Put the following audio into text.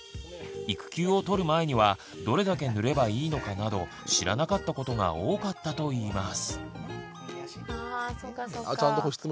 育休を取る前にはどれだけ塗ればいいのかなど知らなかったことが多かったといいます。